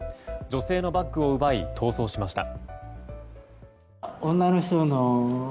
女性のバッグを奪い逃走しました。